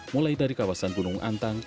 mulai dari kawasan gunung antang